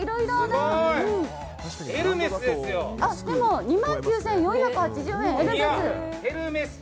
でも２万９４８０円、エルメス。